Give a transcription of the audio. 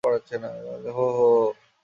হো, হো, হো।